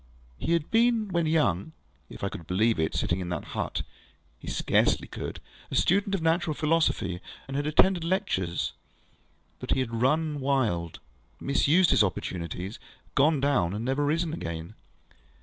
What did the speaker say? He had been, when young (if I could believe it, sitting in that hut, ŌĆöhe scarcely could), a student of natural philosophy, and had attended lectures; but he had run wild, misused his opportunities, gone down, and never risen again.